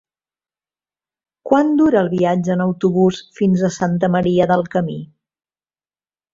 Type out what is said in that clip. Quant dura el viatge en autobús fins a Santa Maria del Camí?